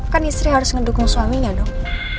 kan istri harus ngedukung suaminya dong